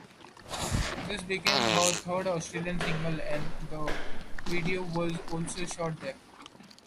This became her third Australian single, and the video was also shot there.